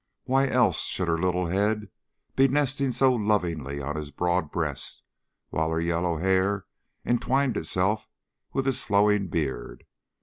Why else should her little head be nestling so lovingly on his broad breast, while her yellow hair entwined itself with his flowing beard?